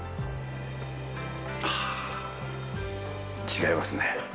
違いますね。